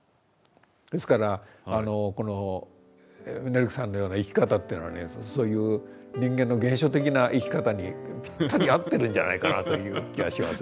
ですからネルケさんのような生き方っていうのはねそういう人間の原初的な生き方にぴったり合ってるんじゃないかなという気がしますね。